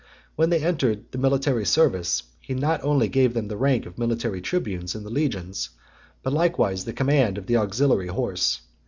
When they entered the military service, he not only gave them the rank of military tribunes in the legions, but likewise the command of the auxiliary horse.